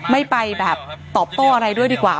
ไม่ไปแบบตอบโต้อะไรด้วยดีกว่า